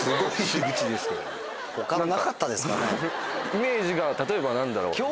イメージが例えば何だろう。